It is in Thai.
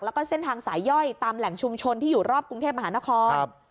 แล้วก็เส้นทางสายย่อยตามแหล่งชุมชนที่อยู่รอบกรุงเทพมหานคร